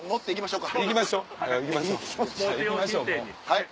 はい？